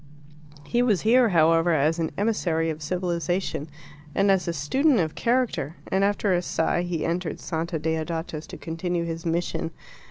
He was here, however, as an emissary of civilization and as a student of character, and, after a sigh, he entered Santa Deodata's to continue his mission.